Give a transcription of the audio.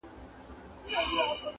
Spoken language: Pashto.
څه انګور او څه شراب څه میکدې سه-